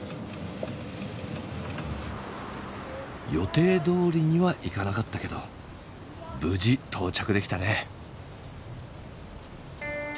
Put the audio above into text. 予定どおりにはいかなかったけど無事到着できたね。